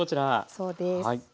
そうです。